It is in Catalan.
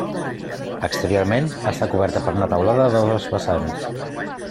Exteriorment està coberta per una teulada de dos vessants.